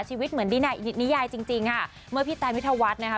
ชีวิตเหมือนดินนิยายจริงจริงค่ะเมื่อพี่แตนวิทยาวัฒน์นะคะ